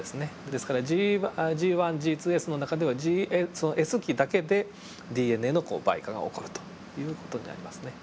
ですからＧＧＳの中ではそのＳ期だけでＤＮＡの倍加が起こるという事になりますね。